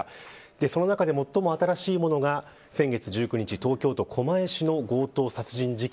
その中で、最も新しいものが先月１９日東京都狛江市の強盗殺人事件。